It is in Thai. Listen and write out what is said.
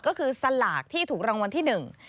ก็คือสลากที่ถูกรางวัลที่หนึ่ง